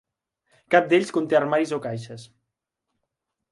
Cap d'ells conté armaris o caixes.